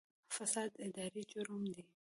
فساد اداري جرم دی